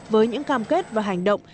với những cam kết và hành động